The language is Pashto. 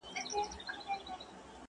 که پوه سو، نو بې لارۍ به نه راځي.